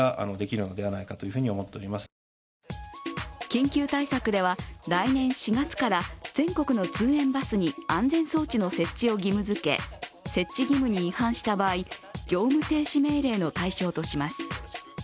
緊急対策では来年４月から全国の通園バスに安全装置の設置を義務付け、設置義務に違反した場合、業務停止命令の対象とします。